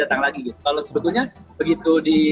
kalau sebetulnya begitu di